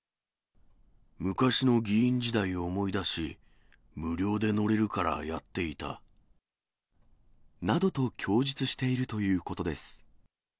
昔の議員時代を思い出し、無料で乗れるからやっていた。などと供述しているということです。